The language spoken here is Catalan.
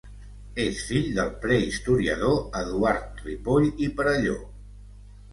És fill del prehistoriador Eduard Ripoll i Perelló.